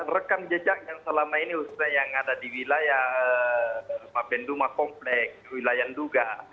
rekam jejak yang selama ini yang ada di wilayah benduma kompleks wilayah nduga